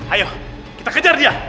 ayo kita kejar dia